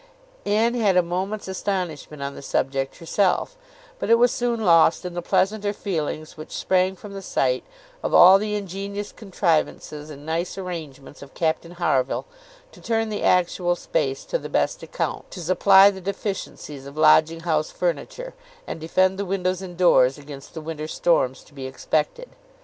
Anne had a moment's astonishment on the subject herself; but it was soon lost in the pleasanter feelings which sprang from the sight of all the ingenious contrivances and nice arrangements of Captain Harville, to turn the actual space to the best account, to supply the deficiencies of lodging house furniture, and defend the windows and doors against the winter storms to be expected.